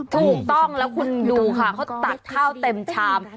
ถูกต้องแล้วคุณดูค่ะเขาตักข้าวเต็มชาม